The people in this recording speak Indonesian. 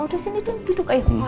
udah sini duduk ayo